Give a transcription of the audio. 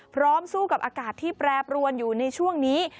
สู้กับอากาศที่แปรปรวนอยู่ในช่วงนี้